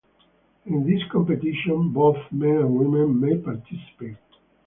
In this competition both men and women may participate.